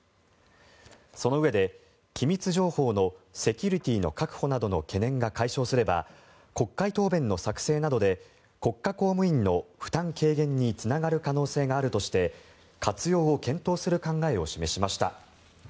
そのうえで、機密情報のセキュリティーの確保などの懸念が解消すれば国会答弁の作成などで国家公務員の負担軽減につながる可能性があるとして活用を検討する考えを示しました。